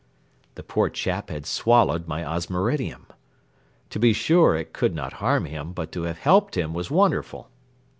The poor chap had swallowed my osmiridium. To be sure it could not harm him; but to have helped him was wonderful.